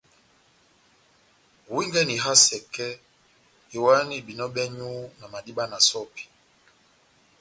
Owingɛni iha sɛkɛ, yowahani behinɔ bɛ́nywu na madiba na sɔ́pi.